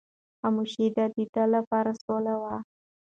خاموشي د ده لپاره سوله وه.